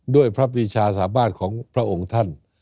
ด้วยพระปีชาสามารถของพระองค์ท่าน